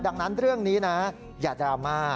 ดังนั้นเรื่องนี้นะอย่าดราม่า